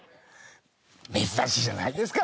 珍しいじゃないですか。